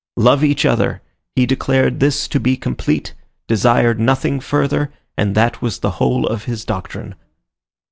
Love each other; he declared this to be complete, desired nothing further, and that was the whole of his doctrine.